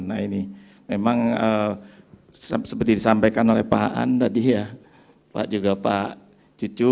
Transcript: nah ini memang seperti disampaikan oleh pak an tadi ya pak juga pak cucu